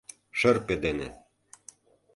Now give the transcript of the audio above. — Шырпе дене...